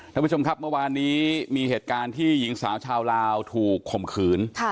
ท่านผู้ชมครับเมื่อวานนี้มีเหตุการณ์ที่หญิงสาวชาวลาวถูกข่มขืน